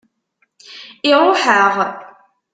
Iṛuḥ-aɣ.